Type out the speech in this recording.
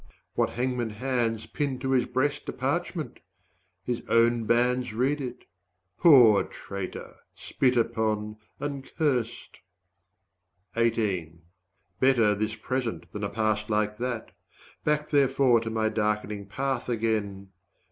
what hangman hands 100 Pin to his breast a parchment? His own bands Read it. Poor traitor, spit upon and cursed! Better this present than a past like that; Back therefore to my darkening path again!